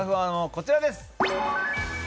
こちらです。